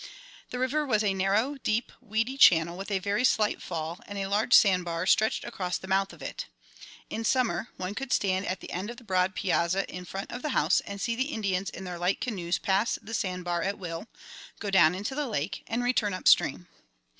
The river was a narrow, deep, weedy channel, with a very slight fall, and a large sand bar stretched across the mouth of it. In Summer, one could stand at the end of the broad piazza in front of the house and see the Indians in their light canoes pass the sand bar at will, go down into the lake, and return up stream.